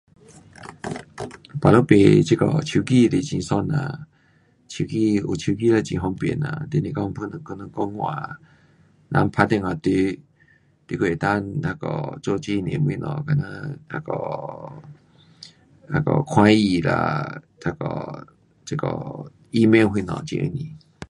baru 买这个手机是很爽啦，手机，有手机嘞很方便呐，就是讲要跟人讲话，人打电话你，你还能够那个做很多东西，好像那个，那个看戏啦，那个，这个 email 什么很容易。